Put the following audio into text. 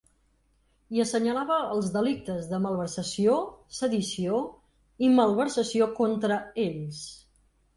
I assenyalava els delictes de malversació, sedició i malversació contra ells.